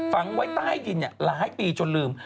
ฝังไว้ใต้ดินหลายปีจนลืม